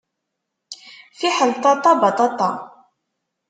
Fiḥel ṭaṭa, baṭaṭa!